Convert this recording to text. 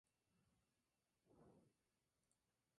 Siendo su canción oficial "Ready or Not" de Michael Mind Project Feat.